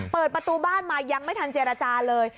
เปิดประตูบ้านมายังไม่ทันเจรจาเลย